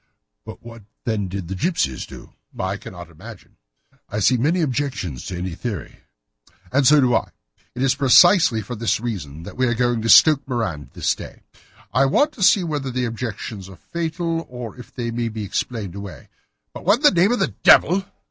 "But what, then, did the gipsies do?" "I cannot imagine." "I see many objections to any such theory." "And so do I. It is precisely for that reason that we are going to Stoke Moran this day. I want to see whether the objections are fatal, or if they may be explained away. But what in the name of the devil!"